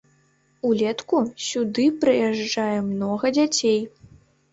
Улетку сюды прыязджае многа дзяцей.